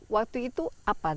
waktu itu apa di sini